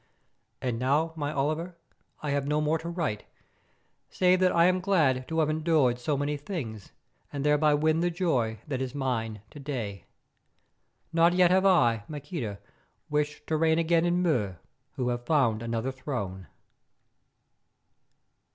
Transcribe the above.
And now, my Oliver, I have no more to write, save that I am glad to have endured so many things, and thereby win the joy that is mine to day. Not yet have I, Maqueda, wished to reign again in Mur, who have found another throne.